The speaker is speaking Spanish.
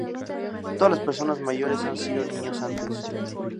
Todas las personas mayores han sido niños antes.